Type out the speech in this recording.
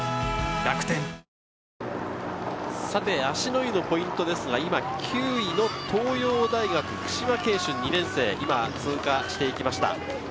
芦之湯のポイントですが、今９位の東洋大学・九嶋恵舜・２年生が通過していきました。